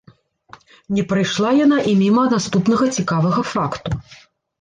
Не прайшла яна і міма наступнага цікавага факту.